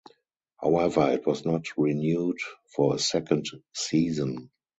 However, it was not renewed for a second season.